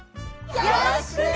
よろしくね！